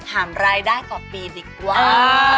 ทำไรได้ต่อปีดีกว่า